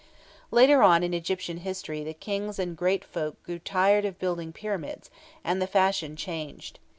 Later on in Egyptian history the Kings and great folk grew tired of building pyramids, and the fashion changed.